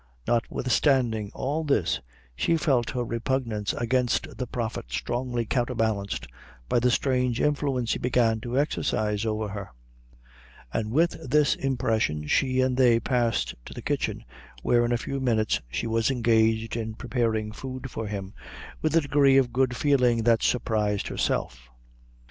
Notwithstanding all this, she felt her repugnance against the prophet strongly counterbalanced by the strange influence he began to exercise over her; and with this impression she and they passed to the kitchen, where in a few minutes she was engaged in preparing food for him, with a degree of good feeling that surprised herself.